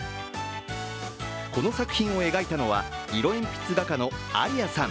この作品を描いたのは色鉛筆画家のＡＲＩＡさん。